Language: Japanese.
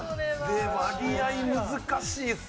割合難しいっすよ